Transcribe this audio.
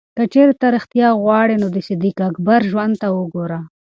که چېرې ته ریښتیا غواړې، نو د صدیق اکبر ژوند ته وګوره.